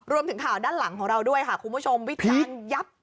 รวมถึงข่าวด้านหลังของเราด้วยค่ะคุณผู้ชมวิจารณ์ยับ